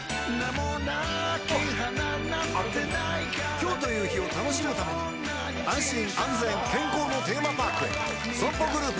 今日という日を楽しむために安心安全健康のテーマパークへＳＯＭＰＯグループ